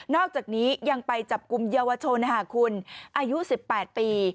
อกจากนี้ยังไปจับกลุ่มเยาวชนคุณอายุ๑๘ปี